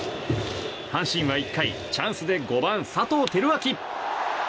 阪神は１回、チャンスで５番、佐藤輝明。